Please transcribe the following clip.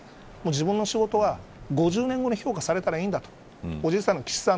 自分の仕事は５０年後に評価されたらいいんだと。